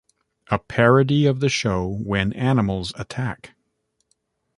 A parody of the show When Animals Attack!